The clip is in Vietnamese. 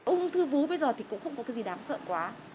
ông thư vú bây giờ thì cũng không có gì đáng sợ quá